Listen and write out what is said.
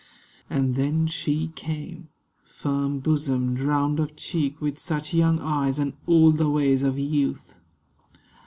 And then She came, Firm bosomed, round of cheek, with such young eyes, And all the ways of youth.